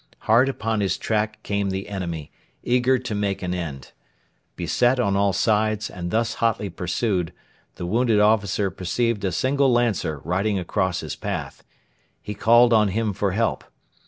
Hard upon his track came the enemy, eager to make an end. Beset on all sides, and thus hotly pursued, the wounded officer perceived a single Lancer riding across his path. He called on him for help.